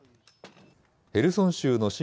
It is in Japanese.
ヘルソン州の親